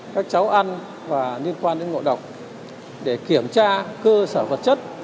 các cháu ăn và liên quan đến ngộ độc để kiểm tra cơ sở vật chất